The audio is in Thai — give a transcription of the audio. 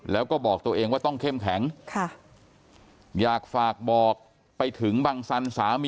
แล้วก็บอกตัวเองว่าต้องเข้มแข็งค่ะอยากฝากบอกไปถึงบังสันสามี